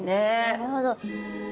なるほど。